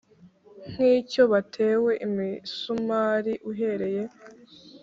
nk icyo batewe imisumari Uhereye